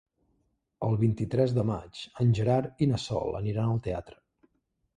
El vint-i-tres de maig en Gerard i na Sol aniran al teatre.